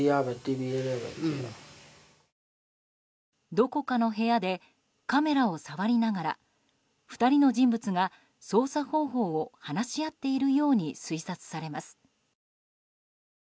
どこかの部屋でカメラを触りながら２人の人物が操作方法を話し合っているように推察されます。